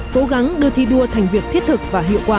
cố gắng đưa thi đua thành việc thiết thực và hiệu quả